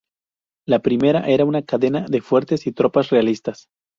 La primera era una cadena de fuertes y tropas realistas.